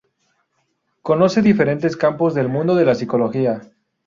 Conoce diferentes campos del mundo de la psicología.